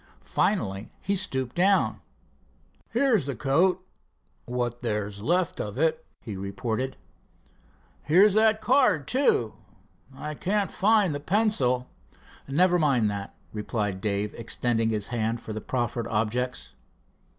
Finally he stooped down. "Here's the coat what there's left of it," he reported. "Here's that card, too. I can't find the pencil." "Never mind that," replied Dave, extending his hand for the proffered objects.